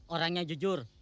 orang yang jujur